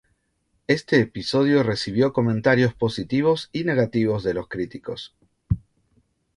Este episodio recibió comentarios positivos y negativos de los críticos.